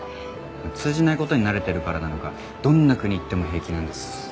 通じない事に慣れてるからなのかどんな国行っても平気なんです。